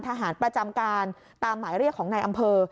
ทหารประจำการตามหมายเรียกของนายอำเภอ